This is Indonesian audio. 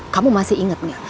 kamu masih inget nggak